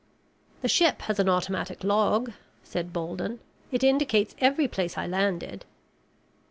"The ship has an automatic log," said Bolden. "It indicates every place I landed."